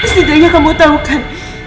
setidaknya kamu tahu kan